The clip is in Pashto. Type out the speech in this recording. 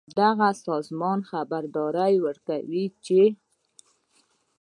دغه سازمان خبرداری ورکوي چې